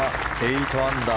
８アンダー。